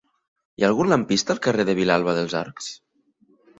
Hi ha algun lampista al carrer de Vilalba dels Arcs?